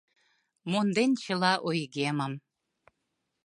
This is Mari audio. Монден чыла ойгемым